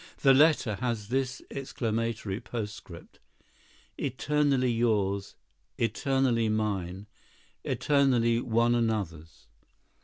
The letter has this exclamatory postscript: "Eternally yours! Eternally mine! Eternally one another's!"